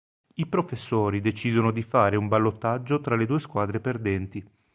I professori decidono di fare un ballottaggio tra le due squadre perdenti.